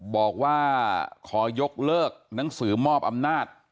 บอกว่าขอยกเลิกหนังสือมอบอำนาจ